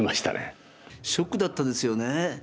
ショックだったですよね。